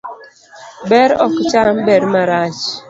Ber ok cham ber marach